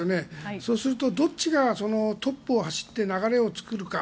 そうするとどっちがトップを走って流れを作るか。